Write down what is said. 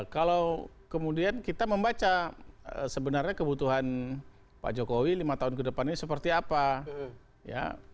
kalau kemudian kita membaca sebenarnya kebutuhan pak jokowi lima tahun ke depannya seperti apa